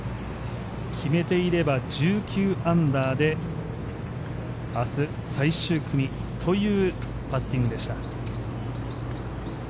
決めていれば１９アンダーで明日、最終組というパッティングでした。